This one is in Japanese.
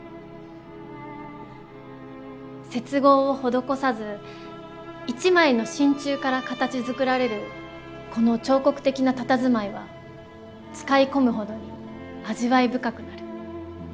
接合を施さず一枚の真鍮から形づくられるこの彫刻的な佇まいは使い込むほどに味わい深くなる。